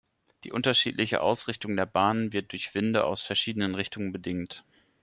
Die unterschiedliche Ausrichtung der Bahnen wird durch Winde aus verschiedenen Richtungen bedingt.